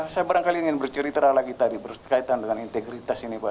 saya barangkali ingin bercerita lagi tadi berkaitan dengan integritas ini pak